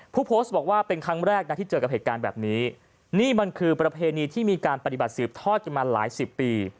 ผู้โพสต์บอกว่าเป็นครั้งแรกนะที่เจอกับเหตุการณ์แบบนี้นี่มันคือประเพณีที่มีการปฏิบัติสืบทอดกันมาหลายสิบปี